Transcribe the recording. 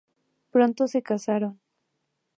Pronto se casaron.